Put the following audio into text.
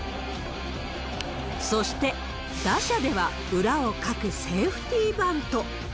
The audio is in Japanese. そして、打者では裏をかくセーフティーバント。